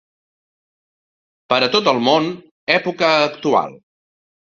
Per a tot el món, època actual.